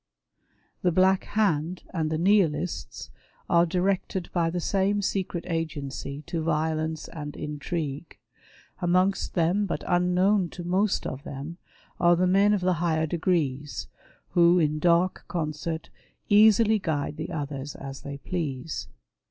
The Black Hand and the Nihilists, are directed by the same secret agency, to violence and intrigue. Amongst them, but unknown to most of them, are the men of the higher degrees, who, in dark concert, easily guide the others as they please.